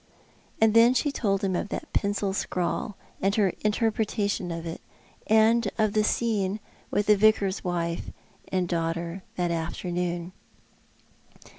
And then she told him of that pencil scrawl, and her inter l^retation of it, and of the scene with the Vicar's wife and daughter that afternoon.